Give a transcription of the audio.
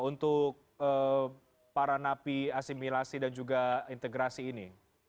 untuk paranapi asimilasi dan juga integrasi ini